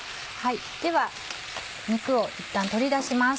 では肉をいったん取り出します。